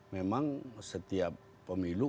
memang setiap pemilu